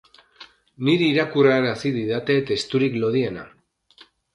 Niri irakurrarazi didate testurik lodiena